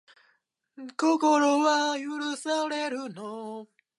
文化祭